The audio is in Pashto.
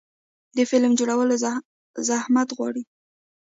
د فلم جوړونه زحمت غواړي.